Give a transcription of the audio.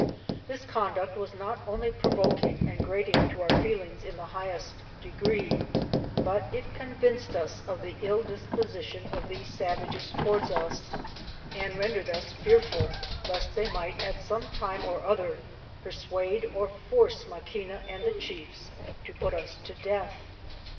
This conduct was not only provoking aod grating to our feGiings in the highest degree, but it convinced us of ths ill dispr, 141 sitioa of these savages towards as, and rendered us fearful lest they might at some time or other per suade or force Maquijaa and the chiefs to put us to death.